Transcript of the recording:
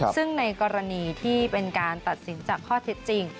ซึ่งในกรณีที่เป็นการตัดสินจากข้อเท็จจริง